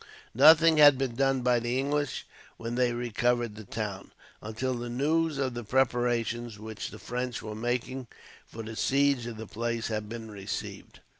Nothing had been done by the English when they recovered the town, until the news of the preparations which the French were making for the siege of the place had been received.